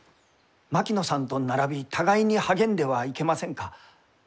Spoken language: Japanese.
槙野さんと並び互いに励んではいけませんか？